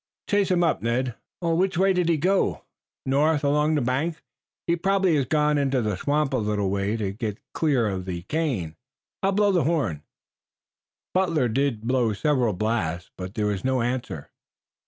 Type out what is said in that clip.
Chase him up, Ned." "Which way did he go?" "North, along the bank. He probably has gone into the swamp a little way to get out of the cane. I'll blow the horn." Butler did blow several blasts, but there was no answer.